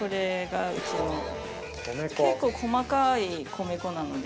結構細かい米粉なので。